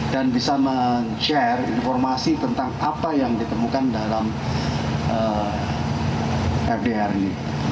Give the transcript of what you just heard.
dan bisa men share informasi tentang apa yang ditemukan dalam fdr ini